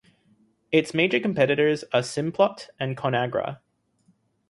Its major competitors are Simplot and ConAgra.